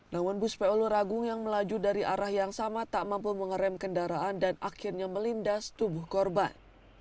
namun bus poluragung yang melaju dari arah yang sama tak mampu mengerem kendaraan dan akhirnya melindas tubuh korban